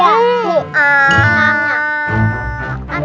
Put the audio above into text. oh gak ada sih